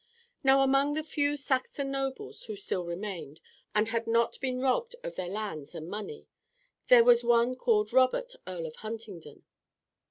Now among the few Saxon nobles who still remained, and who had not been robbed of their lands and money, there was one called Robert, Earl of Huntingdon.